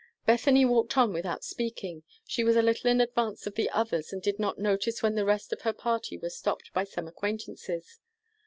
Bethany walked on without speaking. She was a little in advance of the others, and did not notice when the rest of her party were stopped by some acquaintances.